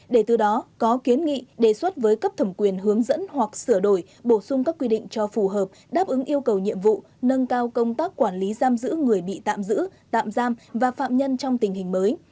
để từ đó có kiến nghị đề xuất với cấp thẩm quyền hướng dẫn hoặc sửa đổi bổ sung các quy định cho phù hợp đáp ứng yêu cầu nhiệm vụ nâng cao công tác quản lý giam giữ người bị tạm giữ tạm giam và phạm nhân trong tình hình mới